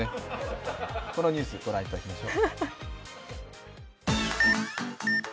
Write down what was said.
このニュースをご覧いただきましょう。